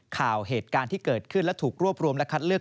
เหตุการณ์ที่เกิดขึ้นและถูกรวบรวมและคัดเลือก